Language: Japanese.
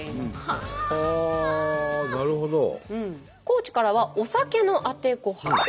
高知からはお酒のあてごはん。